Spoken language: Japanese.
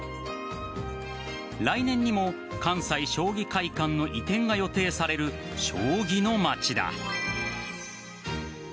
来年にも関西将棋会館の移転が予定される将棋の街だ。